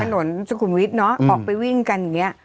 ถนนสกุลวิทเนอะออกไปวิ่งกันอย่างเงี้ย